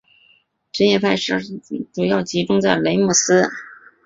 什叶派十二伊玛目派主要集中在霍姆斯。